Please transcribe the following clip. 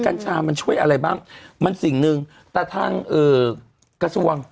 กรรชามันช่วยอะไรบ้างมันสิ่งหนึ่งประทั่งเออกระทั่ววัง